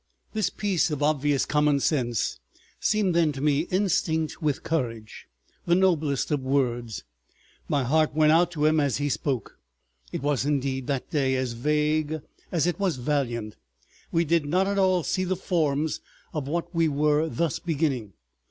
This piece of obvious common sense seemed then to me instinct with courage, the noblest of words. My heart went out to him as he spoke. It was, indeed, that day as vague as it was valiant; we did not at all see the forms of what we were thus beginning.